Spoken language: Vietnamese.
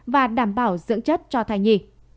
và đảm bảo dưỡng chất cho thai nhi